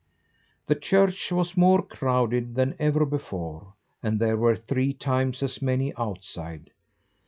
The church was more crowded than ever before, and there were three times as many outside.